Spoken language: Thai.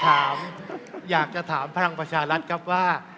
อยากจะถามพลังประชารัฐครับว่า